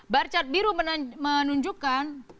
bar chart biru menunjukkan